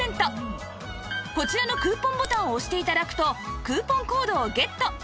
こちらのクーポンボタンを押して頂くとクーポンコードをゲット